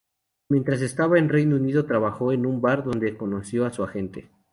Mientras estaba en Reino Unido trabajó en un bar, donde conoció a su agente.